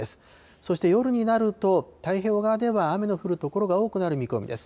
そして夜になると、太平洋側では雨の降る所が多くなる見込みです。